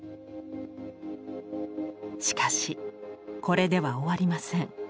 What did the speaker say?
しかしこれでは終わりません。